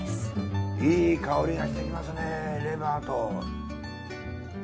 いい香りがしてきますねレバーと。